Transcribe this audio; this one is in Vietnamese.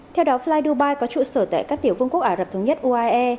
theo đó fly dubai có trụ sở tại các tiểu vương quốc ả rập thống nhất uae